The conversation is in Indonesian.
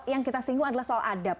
yang kita singgung adalah soal adab